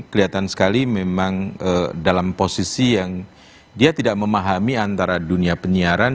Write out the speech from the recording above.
kelihatan sekali memang dalam posisi yang dia tidak memahami antara dunia penyiaran